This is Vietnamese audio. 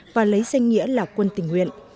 và lấy danh nghĩa là quân tình nguyện